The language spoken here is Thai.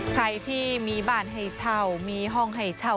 ใครที่มีบ้านให้เช่ามีห้องให้เช่า